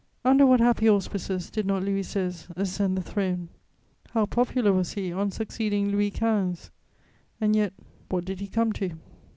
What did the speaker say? Under what happy auspices did not Louis XVI. ascend the throne? How popular was he on succeeding Louis XV.! And yet, what did he come to?